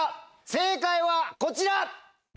正解はこちら！